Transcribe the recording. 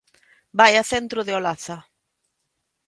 Vaia centro de Olaza.